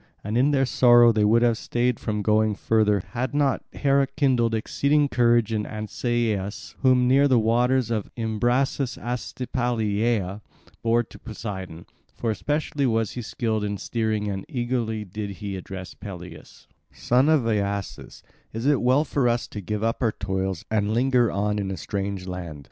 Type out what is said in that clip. And in their sorrow they would have stayed from going further had not Hera kindled exceeding courage in Ancaeus, whom near the waters of Imbrasus Astypalaea bore to Poseidon; for especially was he skilled in steering and eagerly did he address Peleus: "Son of Aeacus, is it well for us to give up our toils and linger on in a strange land?